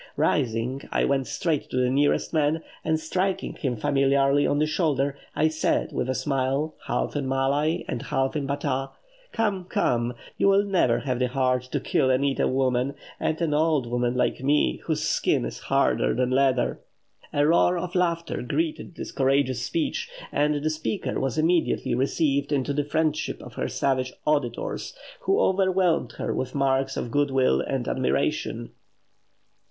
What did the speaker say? Rising, I went straight to the nearest man, and striking him familiarly on the shoulder, I said, with a smile, half in Malay and half in Battah, 'Come, come, you will never have the heart to kill and eat a woman, and an old woman like me, whose skin is harder than leather!'" A roar of laughter greeted this courageous speech, and the speaker was immediately received into the friendship of her savage auditors, who overwhelmed her with marks of goodwill and admiration.